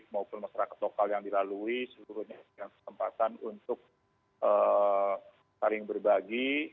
maupun masyarakat lokal yang dilalui seluruhnya yang kesempatan untuk saling berbagi